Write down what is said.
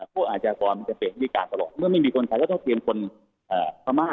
อาชญากรจะเปลี่ยนวิธีการตลอดเมื่อไม่มีคนไทยก็ต้องเตรียมคนพม่า